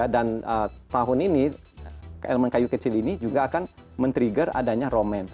dan tahun ini elemen kayu kecil ini juga akan men trigger adanya romance